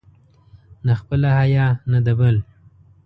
نه خپله حیا، نه د بل.